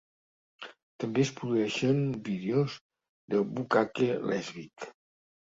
També es produeixen vídeos de "bukake lèsbic".